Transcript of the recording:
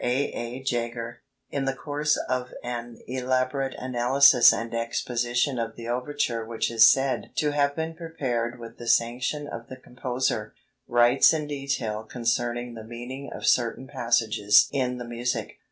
A. A. Jaeger, in the course of an elaborate analysis and exposition of the overture which is said to have been prepared with the sanction of the composer, writes in detail concerning the meaning of certain passages in the music.